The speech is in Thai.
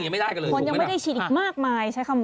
คนยังไม่ได้ชีดอีกมากมาย